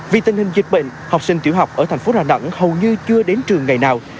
vì tình hình dịch bệnh học sinh tiểu học ở thành phố đà nẵng hầu như chưa đến trường ngày nào